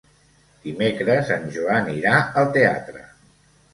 Dimecres en Joan irà al teatre.